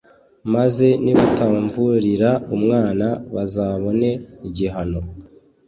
maze nibatamvurira umwana bazabone ighihano